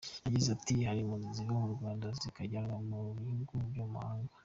Yagize ati “Hari impunzi ziva mu Rwanda zikajyanwa mu bihugu byo mu mahanga.